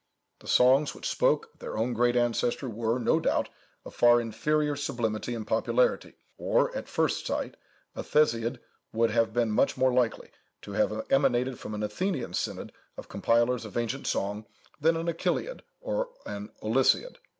The songs which spoke of their own great ancestor were, no doubt, of far inferior sublimity and popularity, or, at first sight, a Theseid would have been much more likely to have emanated from an Athenian synod of compilers of ancient song, than an Achilleid or an Olysseid.